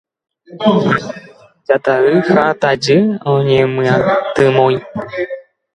Amba'y, jata'y ha tajy oñemyatymói